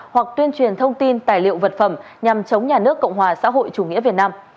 hoặc tuyên truyền thông tin tài liệu vật phẩm nhằm chống nhà nước cộng hòa xã hội chủ nghĩa việt nam